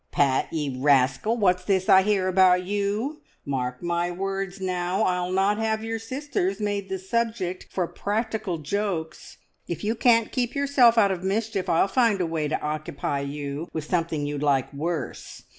"Pat, ye rascal, what's this I hear about you? Mark my words, now. I'll not have your sisters made the subject for practical jokes! If you can't keep yourself out of mischief, I'll find a way to occupy you with something you'd like worse.